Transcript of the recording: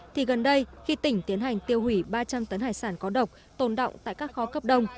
thì gần đây khi tỉnh tiến hành tiêu hủy ba trăm linh tấn hải sản có độc tồn động tại các khó cấp đông